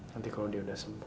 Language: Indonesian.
nanti kalau dia sudah sembuh